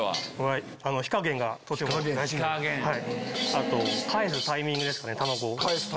あと返すタイミングですかね卵を。